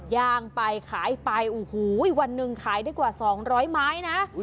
ย่างไปขายไปโอ้โหวันหนึ่งขายได้กว่า๒๐๐ไม้นะ